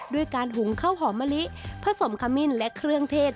ด้วยการหุงข้าวหอมมะลิผสมขมิ้นและเครื่องเทศ